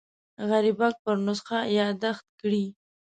غریبک پر نسخه یاداښت کړی.